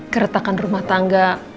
keretakan rumah tangga